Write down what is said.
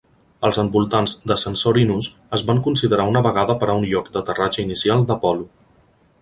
Els envoltants de Censorinus es van considerar una vegada per a un lloc d'aterratge inicial d'Apol·lo.